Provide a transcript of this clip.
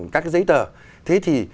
các giấy tờ thế thì